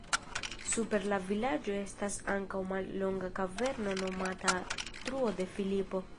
Super la vilaĝo estas ankaŭ mallonga kaverno nomata Truo de Filipo.